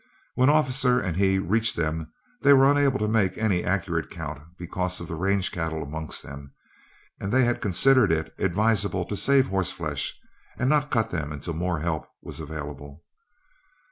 When Officer and he reached them, they were unable to make any accurate count, because of the range cattle amongst them, and they had considered it advisable to save horseflesh, and not cut them until more help was available.